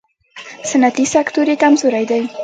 صنعتي سکتور یې کمزوری دی.